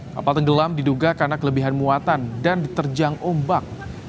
kapal tenggelam diduga karena kelebihan muatan dan diterjang ombak